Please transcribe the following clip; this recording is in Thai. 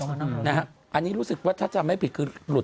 ต้องเอาออกมาเลยนะฮะอันนี้รู้สึกว่าถ้าจะไม่ผิดคือหลุด